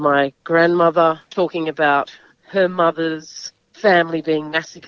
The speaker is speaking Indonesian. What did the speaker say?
berbicara tentang keluarga neneknya yang menjadi masakit